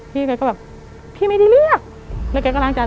พี่กันก็แบบพี่ไม่ได้เรียกแล้วกันก็ล้างจานต่อ